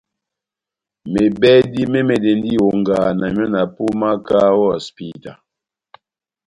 Mebɛdi me mɛdɛndi iyonga na miɔ na pumaka o hosipita.